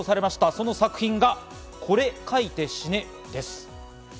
その作品が『これ描いて死ね』です。